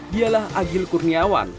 dialah agil kurniawan